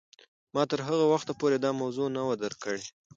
ما تر هغه وخته پورې دا موضوع نه وه درک کړې.